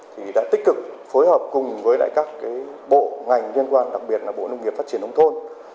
thì đã tích cực phối hợp cùng với các bộ ngành liên quan đặc biệt là bộ nông nghiệp phát triển nông thôn